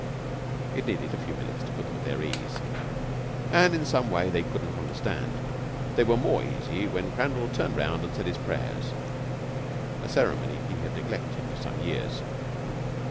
It needed a few minutes to put them at their ease; and, in some way they could not understand, they were more easy when Crandall turned round and said his prayers a ceremony he had neglected for some years.